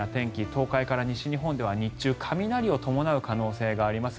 東海から西日本では日中雷を伴う恐れがあります。